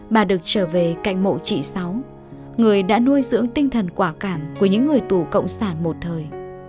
bà được trở về cạnh mộ chị sáu người đã nuôi dưỡng tinh thần quả cảm của những người tù cộng sản một thời